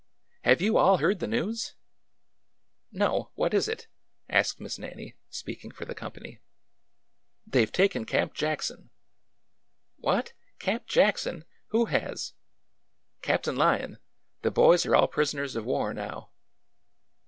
" Have you all heard the news ?" ''No. What is it?'' asked Miss Nannie, speaking for the company. " They 've taken Camp Jackson." ''What! Camp Jackson? Who has?" " Captain Lyon. The boys are all prisoners war now."